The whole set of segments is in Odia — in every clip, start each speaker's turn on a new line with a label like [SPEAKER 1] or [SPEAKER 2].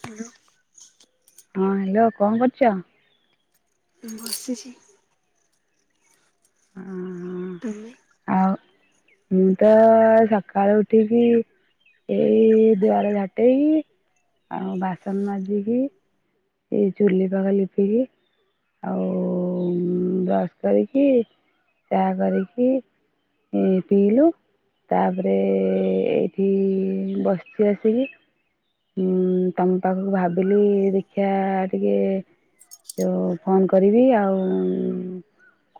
[SPEAKER 1] ହ୍ୟାଲୋ।
[SPEAKER 2] ହଁ ହ୍ୟାଲୋ କଣ କରୁଚ?
[SPEAKER 1] ବସିଛି। ତମେ?
[SPEAKER 2] ଆଉ ମୁଁ ତ ସକାଳୁ ଉଠିକି ଏଇ ଦୁଆର ଝାଟେଇକି ଆଉ ବାସନ ମାଜିକି ଏଇ ଚୁଲି ପାଖ ଲିପିକି ଆଉ ବ୍ରସ୍ କରିକି ଚାହା କରିକି ଇ ପିଇଲୁ ତାପରେ ଏଇଠି ବସିଚି ଆସିକି। ଉଁ ତମ ପାଖକୁ ଭାବିଲି ଦେଖିବା ଟିକେ ଯୋଉଁ ଫୋନ୍ କରିବି ଆଉ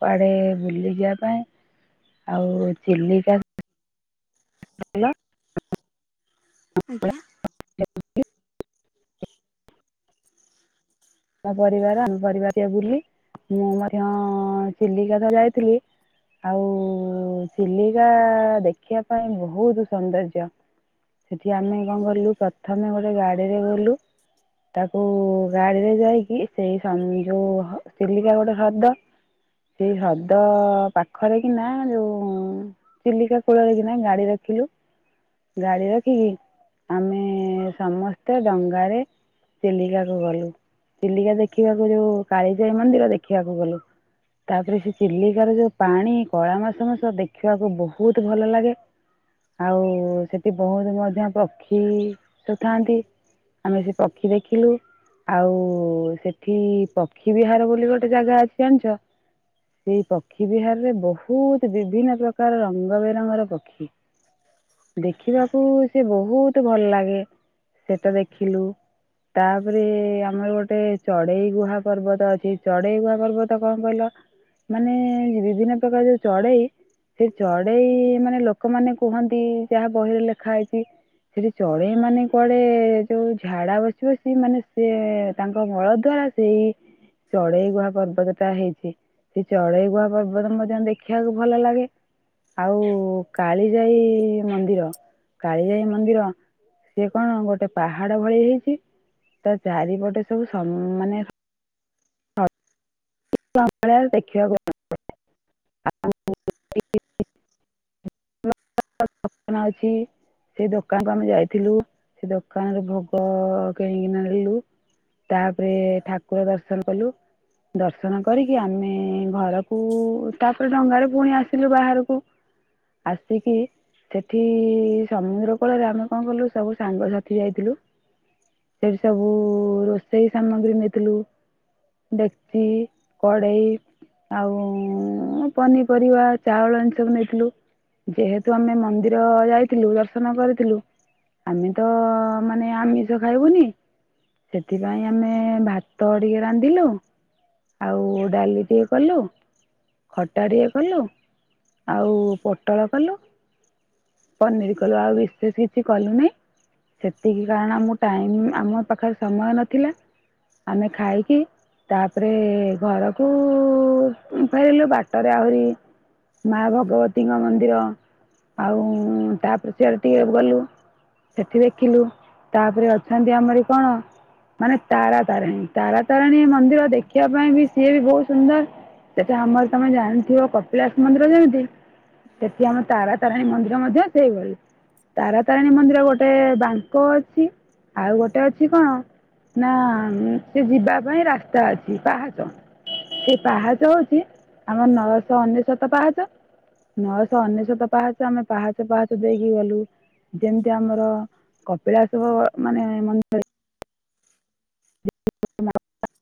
[SPEAKER 2] କୁଆଡେ ବୁଲିଯିବା ପାଇଁ, ଆଉ ଚିଲିକା ହାଲୋ?
[SPEAKER 1] ଆଜ୍ଞା।
[SPEAKER 2] ଆ [inaudible] ତା ପରିବାର ଆମ ପରିବାର ଯିବା ବୁଲି ମୁଁ ମଧ୍ୟ ଚିଲିକା ତ ଯାଇଥିଲି ଆଉ ଚିଲିକା ଦେଖିବା ପାଇଁ ବହୁତ ସୌନ୍ଦର୍ଯ୍ୟ। ସେଠି ଆମେ କଣ କଲୁ ପ୍ରଥମେ ଗୋଟେ ଗାଡିରେ ଗଲୁ। ତାକୁ ଗାଡିରେ ଯାଇକି ସେଇ ସନ ଯୋଉ ଚିଲିକା ଗୋଟେ ହ୍ରଦ। ସେଇ ହ୍ରଦ ପାଖରେ କି ନା ଯୋଉ ଚିଲିକା କୂଳରେ କିନା ଗାଡି ରଖିଲୁ। ଗାଡି ରଖିକି ଆମେ ସମସ୍ତେ ଡଙ୍ଗାରେ ଚିଲିକା କୁ ଗଲୁ, ଚିଲିକା ଦେଖିବାକୁ ଯୋଉ କାଳିଜାଇ ମନ୍ଦିର ଦେଖିବାକୁ ଗଲୁ। ତାପରେ ସେ ଚିଲିକାର ଯୋଉ ପାଣି କଳା ମସ ମସ ଦେଖିବାକୁ ବହୁତ ଭଲ ଲାଗେ। ଆଉ ସେଠି ବହୁତ ମଧ୍ୟ ପକ୍ଷୀ ସବୁଥାନ୍ତି। ଆମେ ସେ ପକ୍ଷୀ ଦେଖିଲୁ। ଆଉ ସେଠି ପକ୍ଷୀ ବିହାର ବୋଲି ଗୋଟେ ଜାଗା ଅଛି ଜାଣିଛ? ସେଇ ପକ୍ଷୀ ବିହାରରେ ବହୁତ ବିଭିନ୍ନ ପ୍ରକାର ରଙ୍ଗ ବେରଙ୍ଗର ପକ ଖୀ ଦେଖିବାକୁ ସେ ବହୁତ ତୁ ଭଲ ଲାଗେ, ସେଟା ଦେଖିଲୁ ତାପରେ ଆମର ଗୋଟେ ଚଢେଇ ଗୁହା ପର୍ବତ ଅଛି ଚଢେଇ ଗୁହା ପର୍ବତ କଣ କହିଲ? ମାନେ ବିଭିନ୍ନ ପ୍ରକାର ଯୋଉ ଚଢେଇ ସେଇ ଚଢେଇ ମାନେ ଲୋକମାମାନେ କୁହନ୍ତି ଯାହା ବହିରେ ଲେଖା ହେଇଛି ସେଠି ଚଡ଼େଇ ମାନେ କୁଆଡେ ଯୋଉ ଝାଡା ବସିବସି ମାନେ ସିଏ ଏ ତାଙ୍କ ମଳ ଦ୍ଵାରା ସେଇ ଚଢେଇ ଗୁହା ପର୍ବତ ଟା ହେଇଛି। ସେ ଚଢେଇ ଗୁହା ପର୍ବତ ମଧ୍ୟ ଦେଖିବାକୁ ଭଲ ଲାଗେ। ଆଉ କାଳିଜାଇ ମନ୍ଦିର କାଳିଜାଇ ମନ୍ଦିର ସିଏ କଣ ଗୋଟେ ପାହାଡ ଭଳି ହେଇଛି। ତା ଚାରିପଟେ ସବୁ ସମ ମାନେ ଦେଖିବାକୁଣ [inaudible] ଅଛି [unintelligible] ସେଇ ଦୋକାନକୁ ଆମେ ଯାଇଥିଲୁ ସେଇ ଦୋକାନରେ ଭୋଗ କିଣିକିନା ଆଣିଲୁ। ତାପରେ ଠାକୁର ଦର୍ଶନ କଲୁ। ଦର୍ଶନ କରିକି ଆମେ ଘରକୁ ତାପରେ ଡଙ୍ଗାରେ ପୁଣି ଆସିଲୁ ବାହାରକୁ ଆସିକି ସେଠି ସମୁଦ୍ର କୂଳରେ ଆମେ କଣ କଲୁ ସବୁ ସାଙ୍ଗସାଥି ଯାଇଥିଲୁ ସେ ସବୁ ରୋଷେଇ ସାମଗ୍ରୀ ନେଇଥିଲୁ ସେ କ୍ଚି, କଡ଼େଇ ଆଉ ପନିପରିବା ଚାଉଳ ଏମିତି ସବୁ ନେଇଥିଲୁ ଯେହେତୁ ଆମେ ମନ୍ଦିର ଯାଇଥିଲୁ ଦର୍ଶନ କରିଥିଲୁ ଆମେ ତ ମାନେ ଆମିଷ ଖାଇବୁନି ସେଥିପାଇଁ ଆମେ ଭାତ ଟିକେ ରାନ୍ଧିଲୁ ଆଉ ଡାଲି ଟିକେ କଲୁ ଖଟାଟିଏ କଲୁ ଆଉ ପୋଟଳ କଲୁ ପନିର କଲୁ ଆଉ ବେଶି କିଛି କଲୁନାଇ ସେତିକି କାରଣ ଆମ ଟାଇମ୍ ଆମ ପାଖରେ ସମୟ ନଥିଲା ଆମେ ଖାଇକି ତାପରେ ଘରକୁ ଫେରିଲୁ ବାଟରେ ଆହୁରି ମା ଭଗବତୀଙ୍କ ମନ୍ଦିର ଆଉ ତାପରେ ସିଆଡ଼େ ଟିକେ ଗଲୁ ସେଠି ଦେଖିଲୁ ତାପରେ ଅଛନ୍ତି ଆମର କଣ ମାନେ ତାରା ତାରିଣୀ ତାରା ତାରିଣୀ ମନ୍ଦିର ଦେଖିବା ପାଇଁ ବି ସିଏ ବି ବହୁତ ସୁନ୍ଦର ସେଠି ଆମର ତମେ ଜାଣିଥିବ କପିଳାସ ମନ୍ଦିର ଯେମିତି ସେଠି ଆମ ତାରା ତାରାତାରିଣୀ ମନ୍ଦିର ମଧ୍ୟ ସେଇଭଳିଆ ତାରାତାରିଣୀ ମନ୍ଦିର ଗୋଟେ ବାଙ୍କ ଅଛି ଆଉ ଗୋଟେ ଅଛି କଣ ନା ସେ ଯିବା ପାଇଁ ରାସ୍ତା ଅଛି ପାହାଚ ସେ ପାହାଚ ହଉଛି ଆମର ନଅଶହ ଅନେଶତ ପାହାଚ ନ ଶହ ଅନେଶତ ପାହାଚ ଆମେ ପାହାଚ ପାହାଚ ଦେଇକି ଗଲୁ ଯେମିତି ଆମର କପିଳାସବ ମାନେ ମନ୍ଦିର [unintelligible]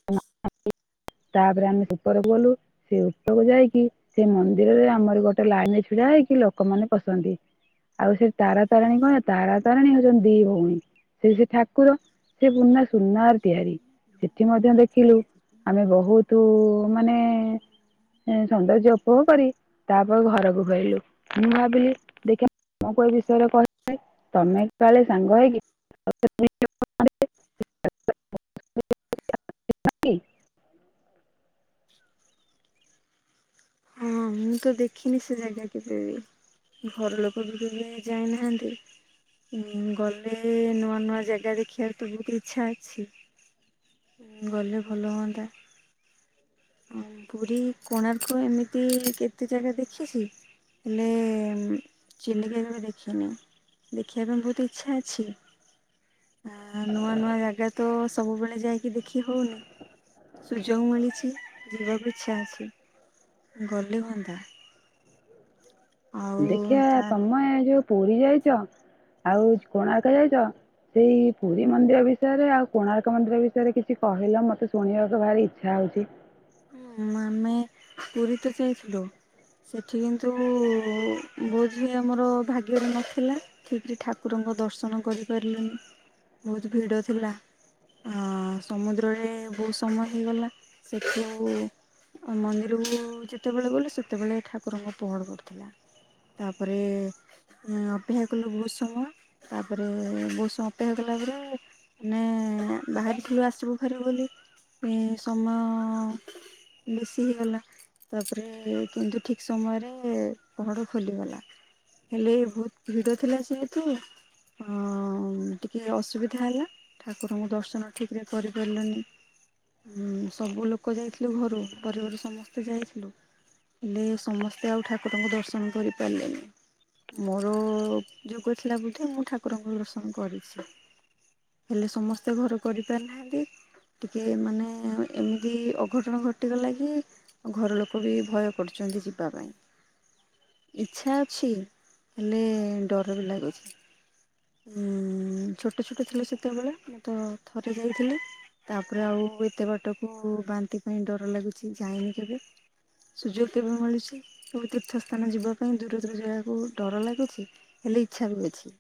[SPEAKER 1] [inaudible]
[SPEAKER 2] ତାପରେ ଆମେ ଉପରକୁ ଗଲୁ ସେ ଉପରକୁ ଯାଇକି ସେ ମନ୍ଦିରରେ ଆମର ଗୋଟେ ଲାଇନରେ ଛିଡା ହେଇକି ଲୋକମାନେ ପଶନ୍ତି ଆଉ ସେ ତାରା ତାରାଣୀ କଣ ତାରା ତାରିଣୀ ହଉଛନ୍ତି ଦି ଭଉଣୀ ସେ ସେ ଠାକୁର ସେ ପୁନା ସୁନାର ତିଆରି ଏଠି ମଧ୍ୟ ଦେଖିଲୁ ଆମେ ବହୁତ ମାନେ ସୌନ୍ଦର୍ଯ୍ୟ ଫୋ କରି ତାପରେ ଘରକୁ ଫେରିଲୁ ମୁଁ ଭାବିଲି ଦେଖିବା ତମକୁ ଏ ବିଷୟରେ କହ ତମେ କାଳେ ସାଙ୍ଗ ହେଇକି [unintelligible] [unintelligible]
[SPEAKER 1] ହଁ ମୁଁ ତ ଦେଖିନି ସେ ଜାଗା କେବେ ବି ଘର ଲୋକ ବି କେବେ ଯାଇନାହାନ୍ତି ଉଁ ଗଲେ ନୂଆ ନୂଆ ଜାଗା ଦେଖିବାର ତ ବହୁତ ଇଛା ଅଛି ଗଲେ ଭଲ ହୁଅନ୍ତା ପୁରୀ କୋଣାର୍କ ଏମିତି ଏମିତି କେତେ ଜାଗା ଦେଖିଛି ହେଲେ ଚିଲିକା କେବେ ଦେଖିନି ଦେଖିବା ପାଇଁ ବହୁତ ଇଚ୍ଛା ଅଛି ଆ ନୂଆ ନୂଆ ଜାଗା ତ ସବୁବେଳେ ଯାଇକି ଦେଖି ହଉନି ସୁଯୋଗ ମିଳିଛି ଯିବାକୁ ଇଚ୍ଛା ଅଛି ଗଲେ ହୁଅନ୍ତା ଆଉ
[SPEAKER 2] ଦେଖିିବା
[SPEAKER 1] ତା
[SPEAKER 2] ତମେ ଏ ଯୋଉ ପୁରୀ ଯାଇଛ ଆଉ କୋଣାର୍କ ଯାଇଛ ସେଇ ପୁରୀ ମନ୍ଦିର ବିଷୟରେ ଆଉ କୋଣାର୍କ ମନ୍ଦିର ବିଷୟରେ କିଛି କହିଲ ମତେ ଶୁଣିବାକୁ ଭାରି ଇଚ୍ଛା ହଉଚି।
[SPEAKER 1] ହୁଁ ଆମେ ପୁରୀ ତ ଯାଇଥିଲୁ ସେଠି କିନ୍ତୁ ବୋଧେ ଆମର ଭାଗ୍ୟରେ ନଥିଲା। ଠିକ୍ ରେ ଠାକୁରଙ୍କ ଦର୍ଶନ କରିପାରିଲୁନି ଭୋଉତୁ ଭିଡ ଥିଲା। ହଁ ସମୁଦ୍ରରେ ବୋହୁତ୍ ସମୟ ହେଇଗଲା। ହୁଁ। ଆ ମନ୍ଦିରକୁ ଯେତେବେଳେ ଗଲୁ ସେତେବେଳେ ଠାକୁରଙ୍କ ପହଡ ପଡିଥିଲା। ତାପରେ ଅପେକ୍ଷା କଲୁ ବୋହୁତ୍ ସମୟ ତାପରେ ବୋଉସ୍ ସମୟ ଅପେକ୍ଷା କଲା ପରେ ନେ ବାହାରିଥିଲୁ ଆସିବୁ ଘରି ବୋଲି ସମୟ ହଁ ବେଶୀ ହେଇଗଲା। ତାପରେ କିନ୍ତୁ ଠିକ୍ ସମୟରେ ପହଡ଼ ଖୋଲିଗଲା। ହେଲେ ବୋହୁତ ଭିଡ ଥିଲା ସିଏତୁ--' ହଁ ଟିକେ ଅସୁବିଧା ହେଲା। ଠାକୁରଙ୍କୁ ଦର୍ଶନ ଠିକ୍ ରେ କରିପାରିଲୁନି ସବୁ ଲୋକ ଲୋକ ଯାଇଥିଲେ ଘରୁ ପରିବାର ସମସ୍ତେ ଯାଇଥିଲୁ। ହେଲେ ସମସ୍ତେ ଆଉ ଠାକୁରଙ୍କୁ ଦର୍ଶନ କରିପାରିଲେନି। ମୋର ଯୁଗ ଥିଲା ବୋଧେ ମୁଁ ଠାକୁରଙ୍କର ଦର୍ଶନ କରିଚି। ହେଲେ ସମସ୍ତେ ଘରେ କରିପାରିନାହାନ୍ତି ଟିକେ ମାନେ ଏମି ତି ଅଘଟଣ ଘଟିଗଲା କିି ଘର ଲୋକ ବି ଭୟ କରୁଚନ୍ତି ଯିବା ପାଇଁ। ଇଚ୍ଛା ଅଛି ହେଲେ ଡର ବି ଲାଗୁଛି। ଛୋଟ ଛୋଟ ଥିଲେ ସେତେବେଳେ ମୁଁ ତ ଥରେ ଯାଇଥିଲି ତାପରେ ଆଉ ଏତେ ବାଟକୁ ବାନ୍ତି ପାଇଁ ଡର ଲାଗୁଚି ଯାଇନି କେବେ। ସୁଯୋଗ ଦେବ ମିଳୁଛି ସବୁ ତୀର୍ଥସ୍ଥାନ ଯିବା ପାଇଁ ଦୂର ଦୂର ଯାଗାକୁ ଡର ଲାଗୁଚି। ହେଲେ ଇଚ୍ଛା ବି ଅଛି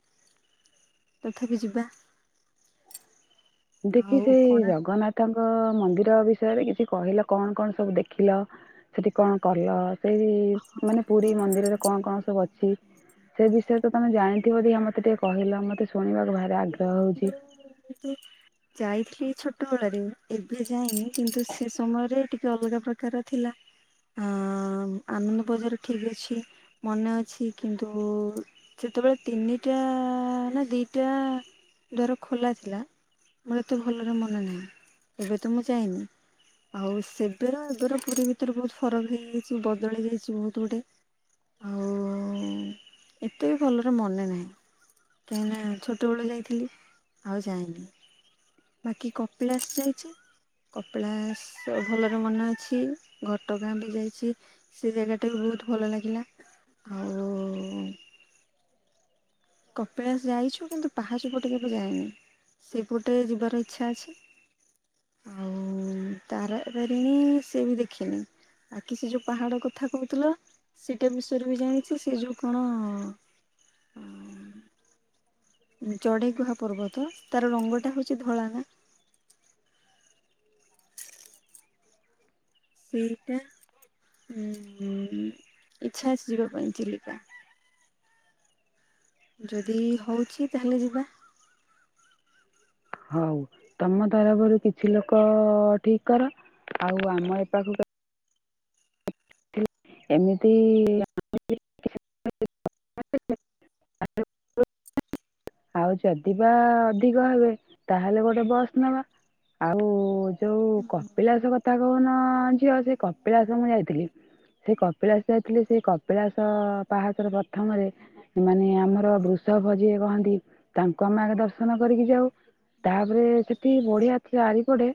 [SPEAKER 1] ତଥାପି ଯିବା।
[SPEAKER 2] ଦେଖି
[SPEAKER 1] ଆଉ
[SPEAKER 2] ସେଇ
[SPEAKER 1] କୋଣାର୍କ
[SPEAKER 2] ଜଗନ୍ନାଥ ତାଙ୍କ ମନ୍ଦିର ବିଷୟରେ କିଛି କହିଲ କଣ କଣ ସବୁ ଦେଖିଲ ସେଠି କଣ କଲ। ସେଇ ମାନେ ପୁରୀ ମନ୍ଦିରରେ କଣ କଣ ସବୁ ଅଛି। ସେ ବିଷୟ ତ ତମେ ଜାଣିଥିବ ମତେ ଟିକେ କହିଲ ମତେ ଶୁଣିବାକୁ ଭାରେ ଆଗେ
[SPEAKER 1] [unintelligible] ଯାଇଥିଲି ଛୋଟବେଳାରେ ଏବେ ଯାଇନି କିନ୍ତୁ ସେ ସମୟରେ ଟିକେ ଅଲଗା ପ୍ରକାର ଥିଲା। ଅ ଆନନ୍ଦ ବଜାର ଠିକ ଅଛି। ମନେ ଅଛି କିନ୍ତୁ ସେତେବେଳେ ତିନିଟା ନା ଦିଟା--‌ ଦ୍ୱର ଖୋଲା ଥିଲା ମୋର ତୁ ଭଲରେ ମନେ ନାହିଁ ଏବେ ତ ମୁଁ ଯାଇନି। ଆଉ ସେବେର ଏବେର ପୁରୀ ଭିତରେ ବହୁତ ଫରକ ହେଇଯାଇଛି ବଦଳି ଯାଇଛି ବହୁତ ଗୁଡେ। ଆଉ ଏତେ ବି ଭଲରେ ମନେ ନାହିଁ। କାହିଁକି ନା ଛୋଟବେଳେ ଯାଇଥିଲି। ଆଉ ଯାାଇନି ବାକି କପିଳାସ ଯାଇଛି। କପିଳାସ ଭଲରେ ମନେ ଅଛି ଘଟଗାଁ ବି ଯାଇଛି। ସେ ଜାଗାଟା ବି ବହୁତ ଭଲ ଲାଗିଲା ଆଉ କପିଳାସ ଯାଇଛୁ କିନ୍ତୁ ପାହାଚ ପଟେ କେବେ ଯାଏନି ସେପଟେ ଯିବାର ଇଚ୍ଛା ଅଛି। ଆଉ ତାରା ତାରିଣୀ ସେ ବି ଦେଖିନି। ବାକିି ସେ ଯୋଉ ପାହାଡ କଥା କହୁଥିଲ ସେଟା ବିଷୟରେ ବି ଜାଣିଛି ସେ ଯୋଉ କଣ ଚଢେଇ ଗୁହା ପର୍ବତ ତାର ରଙ୍ଗଟା ହଉଛି ଧଳା ନା। ସେଇଟା ଇଚ୍ଛା ଅଛି ଯିବା ପାଇଁ ଚିଲିକା। ଯଦି ହଉଛି ତାହେଲେ ଯିବା।
[SPEAKER 2] ହଉ। ତମ ତରଫରୁ କିଛି ଲୋକ ଠିକ୍ କର ଆଉ ଆମ ଏ ପାଖକୁ ଏମିତି [inaudible] ଆଉ ଯଦିବା ଅଧିକ ହେବେ ତାହେଲେ ଗୋଟେ ବସ୍ ନବା। ଆଉ ଯୋଉ କପିଳାସ କଥା କହୁନ ଝିଅ ସେ କପିଳାସ ମୁଁ ଯାଇଥିଲି। ସେ କପିଳାସ ଯାଇଥିଲି। ସେ କପିଳାସ ପାହାଚର ପ୍ରଥମରେ ମାନେ ଆମର ବୃଷଭ ଯିଏ କହନ୍ତି ତାଙ୍କୁ ଆମେ ଆଗେ ଦର୍ଶନ କରିକି ଯାଉ। ତାପରେ ସେଠି ବଢିଆ ଚାରିପଟେ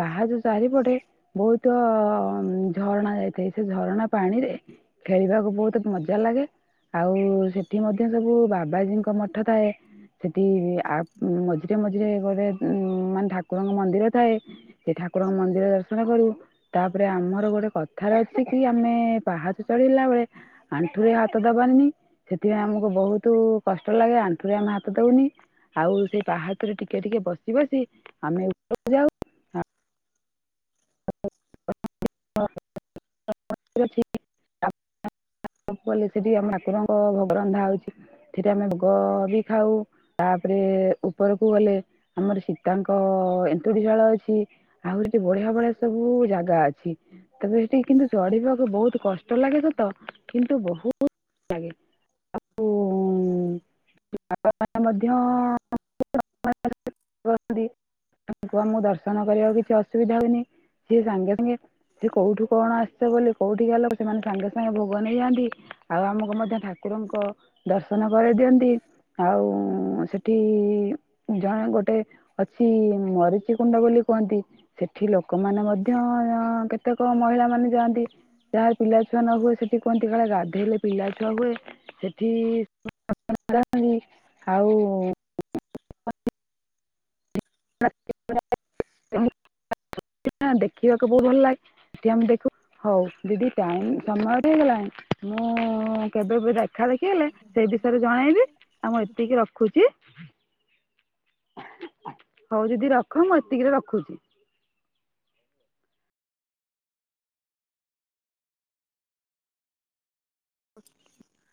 [SPEAKER 2] ପାହାଚ ଚାରିପଟେ ବହୁତ ଝରଣା ଯାଇଥାଏ। ସେ ଝରଣା ପାଣିରେ ଖେଳିବାକୁ ବହୁତ ମଜା ଲାଗେ। ଆଉ ସେଠି ମଧ୍ୟ ସବୁ ବାବାଜୀଙ୍କ ମଠ ଥାଏ। ସେଠି ଆଉ ମଝିରେ ମଝିରେ ଗୋଟେ ମାନେ ଠାକୁରଙ୍କ ମନ୍ଦିର ଥାଏ। ସେ ଠାକୁରଙ୍କ ମନ୍ଦିର ଦର୍ଶନ କରୁ। ତାପରେ ଆମର ଗୋଟେ କଥାରେ ଅଛି କି ଆମେ ପାହାଚ ଚଢିଲା ବେଳେ ଆଣ୍ଠୁରେ ହାତ ଦବାନି। ସେଥିପାଇଁ ଆମକୁ ବହୁତ କଷ୍ଟ ଲାଗେ। ଆଣ୍ଠୁ ଆମେ ହାତ ଦବୁନି। ଆଉ ସେଇ ପାହାଚରେ ଟିକେ ଟିକେ ବସି ବସି ଆମେ ଉପରକୁ ଯାଉ। [inaudible] ଗଲେ ସେଠି ଆମ ଠାକୁରଙ୍କ ଭୋଗ ରନ୍ଧା ହଉଛି। ସେଥିରେ ଆମେ ଭୋଗ ବି ଖାଉ। ତାପରେ ଉପରକୁ ଗଲେ ଆମର ସୀତାଙ୍କ ଏନ୍ତୁଡି ଶାଳ ଅଛି। ଆହୁରି ବି ବଢିଆ ବଢିଆ ସବୁ ଜାଗା ଅଛି। ତେବେ ସେଠିକି କିନ୍ତୁ ଚଢ଼ିବାକୁ ବହୁତ କଷ୍ଟ ଲାଗେ ସତ କିନ୍ତୁ ବହୁତ ଭଲ ଲାଗେ। [inaudible] ବାବାମାନେ ମଧ୍ୟ ତାଙ୍କୁ ଆମକୁ ଦର୍ଶନ କରିବାକୁ କିଛି ଅସୁବିଧା ହୁଏନି। ସିଏ ସାଙ୍ଗେ ସାଙ୍ଗେ କିଏ କୋଉଠୁ କଣ ଆସିଚ ବୋଲି କୋଉଠି ଗଲେ, ସେମାନେ ସାଙ୍ଗେ ସାଙ୍ଗେ ଭୋଗ ନେଇଯାଆନ୍ତି? ଆଉ ଆମକୁ ମଧ୍ୟ ଠାକୁରଙ୍କ ଦର୍ଶନ କରେଇଦିଅନ୍ତି। ଆଉ ସେଠି ଜଣେ ଗୋଟେ ଅଛି ମରିଚ କୁଣ୍ଡ ବୋଲି କୁହନ୍ତି। ସେଠି ଲୋ ଲୋକମାନେ ମଧ୍ୟ, କେତେକ ମହିଳା ମାନେ ଯାଆନ୍ତି। ଯାହାର ପିଲାଛୁଆ ନ ହୁଏ ସେଠି କୁହନ୍ତି କାଳେ ଗାଧୋଇଲେ ପିଲାଛୁଆ ହୁଏ। [inaudible] [inaudible] ନା [unintelligible] ଦେଖିବାକୁ ବହୁତ ଭଲ ଲାଗେ। ସେଠି ଆମେ ଦେଖୁ, ହଉ ଦିଦି ଟାଇମ ସମୟ ବି ହେଇଗଲାଣି। ମୁଁ କେବେ ବି ରାଗି ଦେଖା ଦେଖି ହେଲେ ସେଇ ବିଷୟରେ ଜଣେଇବି। ଆଉ ମୁଁ ଏତିକି ରଖୁଛି। ହଉ ଦିଦି ରଖ। ମୁଁ ଏତିକିରେ ରଖୁଛି।
[SPEAKER 1] [unintelligible]